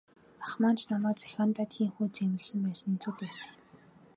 Ах маань ч намайг захиандаа тийнхүү зэмлэсэн байсан нь зөв байсан юм.